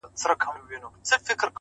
صادق زړه اوږده آرامي مومي